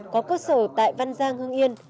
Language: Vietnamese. có cơ sở tại văn giang hương yên